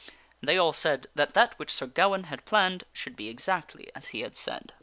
And they all said that that which Sir Gawaine had planned should be exactly as he had said.